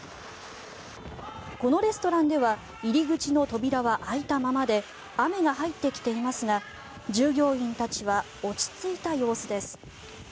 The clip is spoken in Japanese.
このレストランでは入り口の扉は開いたままで雨が入ってきていますが従業員たちは落ち着いた様子です。